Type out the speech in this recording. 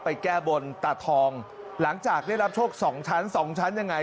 แก้บนตาทองหลังจากได้รับโชคสองชั้นสองชั้นยังไง